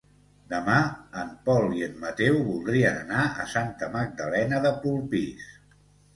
Demà en Pol i en Mateu voldrien anar a Santa Magdalena de Polpís.